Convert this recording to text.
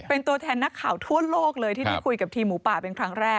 เป็นตัวแทนนักข่าวทั่วโลกเลยที่ได้คุยกับทีมหมูป่าเป็นครั้งแรก